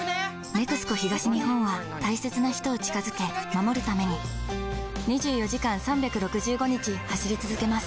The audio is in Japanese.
「ＮＥＸＣＯ東日本」は大切な人を近づけ守るために２４時間３６５日走り続けます